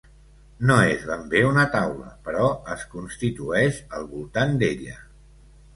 No és ben bé una taula però es constitueix al voltant d'ella.